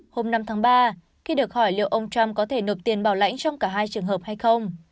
hôm năm tháng ba khi được hỏi liệu ông trump có thể nộp tiền bảo lãnh trong cả hai trường hợp hay không